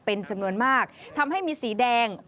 เป็นจำนวนมากทำให้มีสีแดง